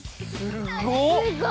すごっ！